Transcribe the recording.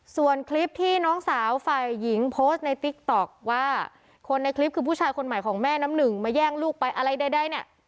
ส่วนคลิปที่น้องสาวฝ่ายหญิงโพสต์ในติ๊กต๊อกว่าคนในคลิปคือผู้ชายคนใหม่ของแม่น้ำหนึ่งมาแย่งลูกไปอะไรใดเนี่ย